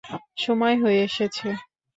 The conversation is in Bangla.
সময় হয়ে এসেছে।